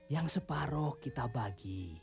yang separoh kita bagi